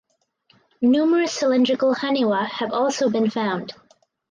Numerous cylindrical "haniwa" have also been found.